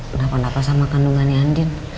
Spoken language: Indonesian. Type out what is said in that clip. kenapa napa sama kandungannya andin